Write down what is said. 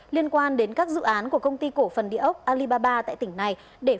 liên quan đến các dự án của công ty cổ phần địa ốc alibaba tại tỉnh này để